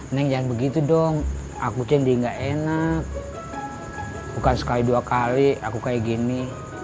neng jangan begitu dong aku candi nggak enak bukan sekali dua kali aku kayak gini